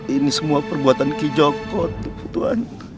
ini semua perbuatan kijoko tuhan